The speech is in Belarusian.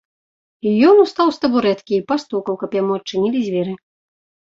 Ён устаў з табурэткі і пастукаў, каб яму адчынілі дзверы.